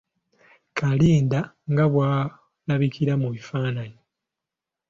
Kalinda nga bw’alabikira mu bifananyi.